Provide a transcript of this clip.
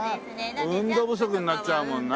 運動不足になっちゃうもんな。